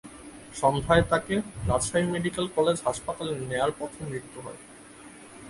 সন্ধ্যায় তাঁকে Rajshahi medical college হাসপাতালে নেওয়ার পথে তাঁর মৃত্যু হয়।